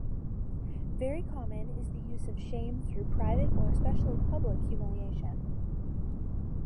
Very common is the use of shame through private or, especially, public humiliation.